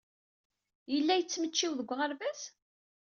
Yella yettmecčiw deg uɣerbaz?